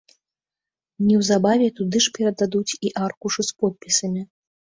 Неўзабаве туды ж перададуць і аркушы з подпісамі.